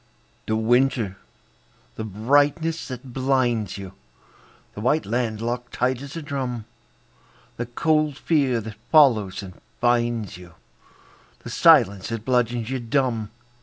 The winter! the brightness that blinds you, The white land locked tight as a drum, The cold fear that follows and finds you, The silence that bludgeons you dumb.